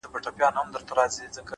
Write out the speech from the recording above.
پوهه له تجربې ژوره کېږي’